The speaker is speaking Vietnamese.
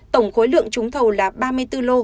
tổng khối lượng trúng thầu là ba mươi bốn lô